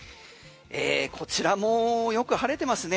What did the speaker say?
こちらもうよく晴れてますね。